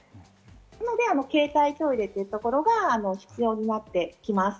なので携帯トイレというところが必要になってきます。